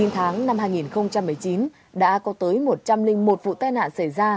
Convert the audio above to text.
chín tháng năm hai nghìn một mươi chín đã có tới một trăm linh một vụ tai nạn xảy ra